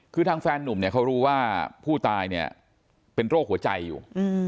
คือทั้งแฟนนุ่มเขารู้ว่าผู้ตายเป็นโรคหัวใจอยู่